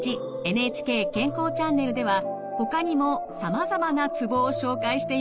「ＮＨＫ健康チャンネル」ではほかにもさまざまなツボを紹介しています。